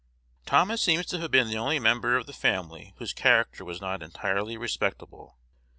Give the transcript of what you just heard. Thomas seems to have been the only member of the family whose character was not entirely respectable.